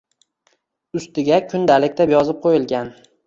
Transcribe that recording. Ustiga “Kundalik” deb yozib qo‘yilgan.